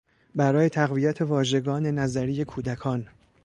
برای تقویت واژگان نظری کودکان